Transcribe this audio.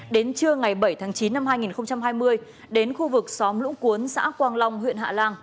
đến trưa ngày bảy tháng chín năm hai nghìn hai mươi đến khu vực xóm lũng cuốn xã quang long huyện hạ lan